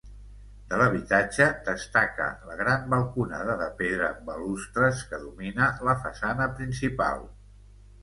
De l'habitatge destaca la gran balconada de pedra amb balustres que domina la façana principal.